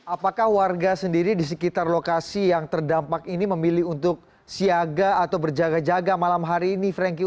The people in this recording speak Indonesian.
apakah warga sendiri di sekitar lokasi yang terdampak ini memilih untuk siaga atau berjaga jaga malam hari ini franky